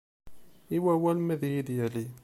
I wawal ma ad iyi-d-yali.